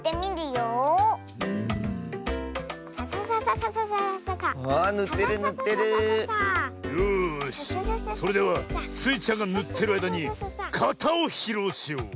よしそれではスイちゃんがぬってるあいだにかたをひろうしよう。